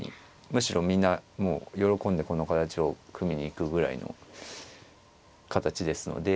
むしろみんなもう喜んでこの形を組みに行くぐらいの形ですので。